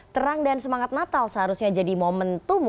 terang dan semangat natal seharusnya jadi momen tumbuh